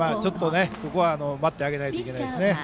ここは待ってあげないといけないですね。